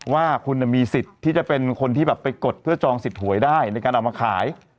ว่าคุณมีสิทธิ์ที่จะเป็นคนที่แบบไปกดเพื่อจองสิทธิหวยได้ในการเอามาขาย